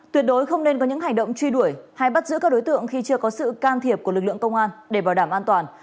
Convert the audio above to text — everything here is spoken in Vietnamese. tuyệt đối không nên có những hành động truy đuổi hay bắt giữ các đối tượng khi chưa có sự can thiệp của lực lượng công an để bảo đảm an toàn